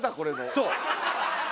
そう。